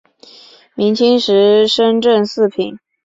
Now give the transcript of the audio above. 明清时升正四品。